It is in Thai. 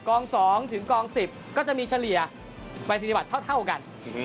กอง๒ถึงกอง๑๐ก็จะมีเฉลี่ยวัยสินธิบัตรเท่ากัน